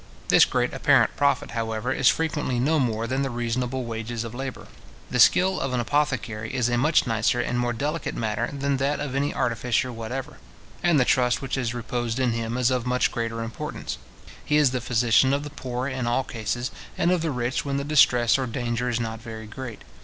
This great apparent profit, however, is frequently no more than the reasonable wages of labour. The skill of an apothecary is a much nicer and more delicate matter than that of any artificer whatever; and the trust which is reposed in him is of much greater importance. He is the physician of the poor in all cases, and of the rich when the distress or danger is not very great.